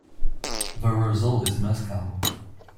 The result is mezcal.